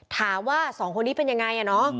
ถามว่าสองคนนี้เป็นยังไง